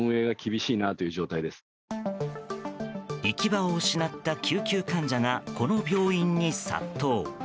行き場を失った救急患者がこの病院に殺到。